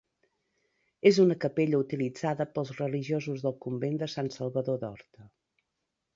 És una capella utilitzada pels religiosos del convent de Sant Salvador d'Horta.